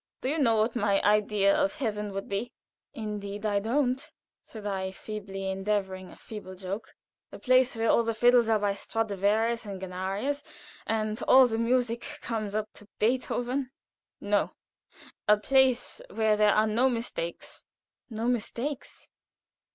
"Do you know what my idea of heaven would be?" "Indeed, I don't," said I, feebly endeavoring a feeble joke. "A place where all the fiddles are by Stradivarius and Guanarius, and all the music comes up to Beethoven." "No; but a place where there are no mistakes." "No mistakes?"